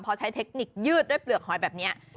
พอใช้เทคนิคยืดด้วยเปลือกหอยแบบนี้